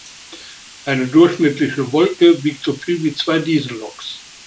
Eine durchschnittliche Wolke wiegt so viel wie zwei Dieselloks.